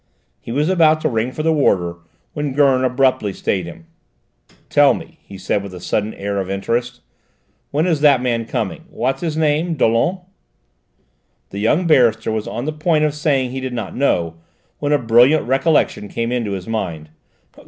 He was about to ring for the warder when Gurn abruptly stayed him. "Tell me," he said with a sudden air of interest, "when is that man coming what's his name? Dollon?" The young barrister was on the point of saying he did not know, when a brilliant recollection came into his mind.